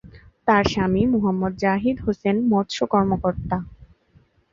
তার স্বামী মোহাম্মদ জাহিদ হোসেন মৎস কর্মকর্তা।